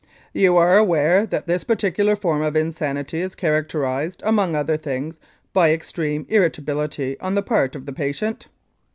You are aware that this particular form of insanity is characterised, among other things, by extreme irritability on the part of the patient?